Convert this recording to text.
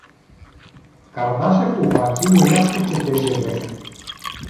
Кардашев обаче и рядко четеше вестник.